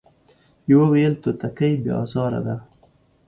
يوه ويل توتکۍ بې ازاره ده ،